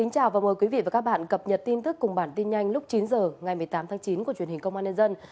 chào mừng quý vị đến với bản tin nhanh lúc chín h ngày một mươi tám tháng chín của truyền hình công an nhân dân